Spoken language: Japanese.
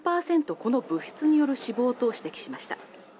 この物質による死亡と指摘しました